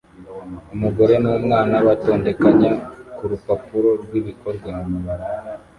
Umugore numwana batondekanya kurupapuro rwibikorwa